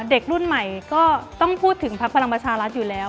เด็กรุ่นใหม่ก็ต้องพูดถึงพักพลังประชารัฐอยู่แล้ว